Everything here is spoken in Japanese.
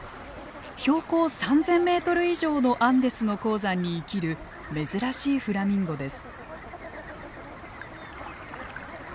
標高３，０００メートル以上のアンデスの高山に生きる珍しいフラミンゴです。